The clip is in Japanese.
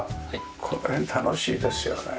この辺楽しいですよね。